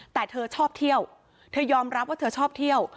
แต่เธอชอบเที่ยวเธอยอมรับว่าเธอชอบเที่ยว